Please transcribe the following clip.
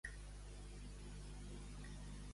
Suplicar en revista.